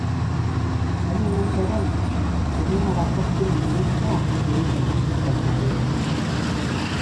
Honen ondoren, zinemarako film luzeak egiten hasi zen berriro.